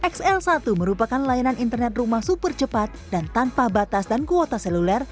xl satu merupakan layanan internet rumah super cepat dan tanpa batas dan kuota seluler